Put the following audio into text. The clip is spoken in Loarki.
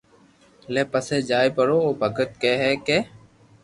لي پسي جائي پرو او ڀگت ڪي ڪي ھي